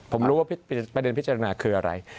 ผมรู้ว่าประเด็นพิจารณาคืออะไร